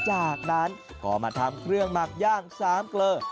จากนั้นก็มาทำเครื่องหมักย่าง๓เกลอ